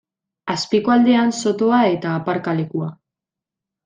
Azpiko aldean sotoa eta aparkalekua.